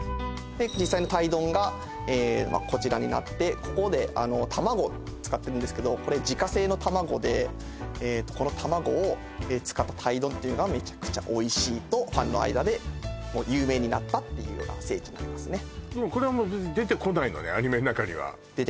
で実際の鯛丼がこちらになってここで卵使ってるんですけどこれ自家製の卵でこの卵を使った鯛丼っていうのはメチャクチャおいしいとファンの間で有名になったっていうような聖地になりますね